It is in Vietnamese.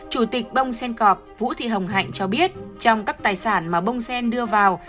chủ tịch bông sen corp vũ thị hồng hạnh cho biết trong các tài sản mà bông sen đưa vào